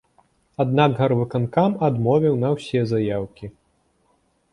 Аднак гарвыканкам адмовіў на ўсе заяўкі.